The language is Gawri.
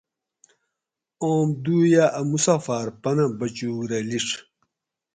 اوم دُویٞہ اٞ مُسافاٞر پنہ بچُوگ رہ لِیڄ